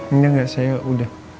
ini enggak saya udah